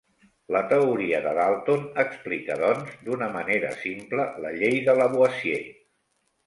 La teoria de Dalton explica doncs, d'una manera simple, la llei de Lavoisier.